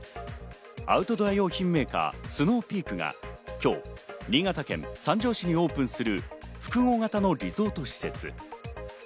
アウトドア用品メーカー、スノーピークが今日、新潟県三条市にオープンする複合型のリゾート施設。